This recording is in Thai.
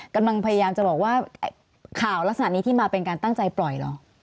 กำลังพยายามจะบอกว่าข่าวลักษณะนี้ที่มาเป็นการตั้งใจปล่อยเหรอ